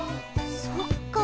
そっか。